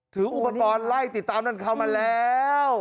ถืออุปกรณ์ไล่ติดตามนั่นเขามาแล้ว